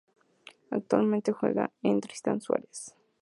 Actualmente juega en Tristan Suárez.